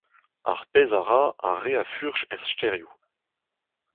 Ar pezh a ra ar re a furch er stêrioù.